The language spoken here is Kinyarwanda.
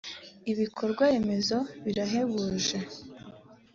ibikorwaremezo birahebuje